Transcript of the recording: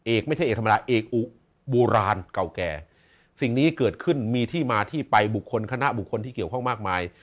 เอกไม่ใช่เอกธรรมดาเอกอุโบราณเก่าแก่สิ่งนี้เกิดขึ้นมีที่มาที่ไปบุคคลคณะบุคคลที่เกี่ยวข้องมากมาย